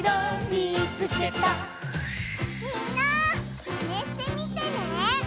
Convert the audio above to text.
みんなマネしてみてね！